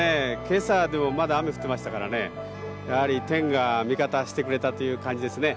今朝でもまだ雨降ってましたからねやはり天が味方してくれたという感じですね